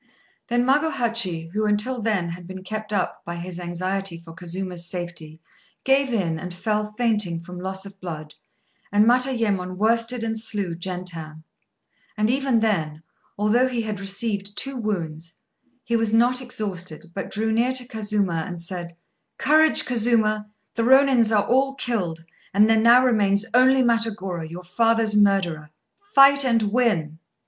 Then Magohachi, who until then had been kept up by his anxiety for Kazuma's safety, gave in, and fell fainting from loss of blood; and Matayémon worsted and slew Gentan; and even then, although be had received two wounds, he was not exhausted, but drew near to Kazuma and said "Courage, Kazuma! The Rônins are all killed, and there now remains only Matagorô, your father's murderer. Fight and win!"